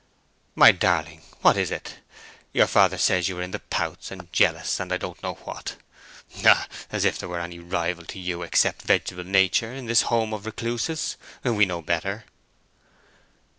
"My darling, what is it? Your father says you are in the pouts, and jealous, and I don't know what. Ha! ha! ha! as if there were any rival to you, except vegetable nature, in this home of recluses! We know better."